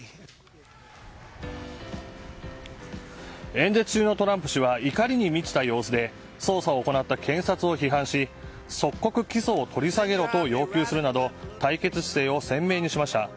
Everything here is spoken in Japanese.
演説中のトランプ氏は怒りに満ちた様子で捜査を行った検察を批判し即刻起訴を取り下げろと要求するなど対決姿勢を鮮明にしました。